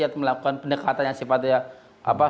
atau melakukan pendekatan yang sifatnya